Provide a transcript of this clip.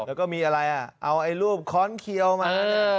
แล้วก็มีอะไรเอารูปค้อนเคี่ยวมา